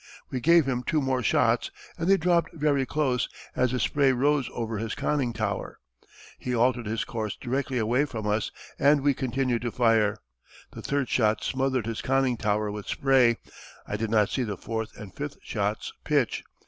We gave him two more shots and they dropped very close, as the spray rose over his conning tower. He altered his course directly away from us, and we continued to fire. The third shot smothered his conning tower with spray. I did not see the fourth and fifth shots pitch.